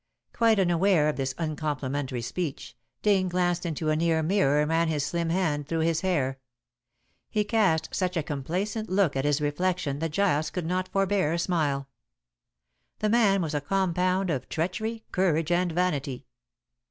Quite unaware of this uncomplimentary speech, Dane glanced into a near mirror and ran his slim hand through his hair. He cast such a complacent look at his reflection that Giles could not forbear a smile. The man was a compound of treachery, courage, and vanity.